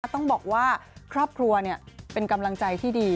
ต้องบอกว่าครอบครัวเป็นกำลังใจที่ดี